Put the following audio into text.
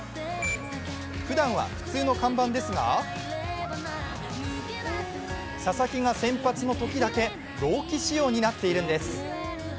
ふだんは普通の看板ですが佐々木が先発のときだけ朗希仕様になっているんです。